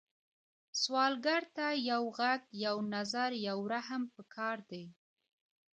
سوالګر ته یو غږ، یو نظر، یو رحم پکار دی